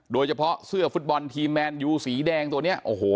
โดยเฉพาะเสื้อฟุตบอลทีมแมนยูสีแดงตัวนี้โอ้โห